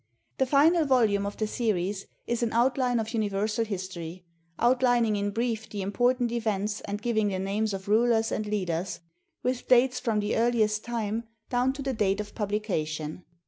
The final volume of the series is an " Outline of Uni versal History," outlining in brief the important events and giving the names of rulers and leaders, with dates, from the earliest time down to the date of publication.